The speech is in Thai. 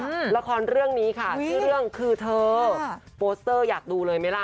ละครเรื่องนี้ค่ะชื่อเรื่องคือเธอค่ะโปสเตอร์อยากดูเลยไหมล่ะ